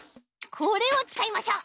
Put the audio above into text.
これをつかいましょう。